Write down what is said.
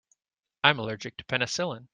I am allergic to penicillin.